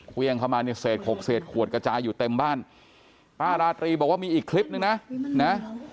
เครื่องเข้ามาเนี่ยเศษหกเศษขวดกระจายอยู่เต็มบ้านป้าราตรีบอกว่ามีอีกคลิปนึงนะนะ